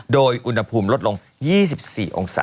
โดยอุณหภูมิลดลง๒๔องศา